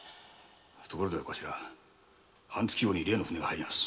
ところでお頭半月後に例の船が入ります。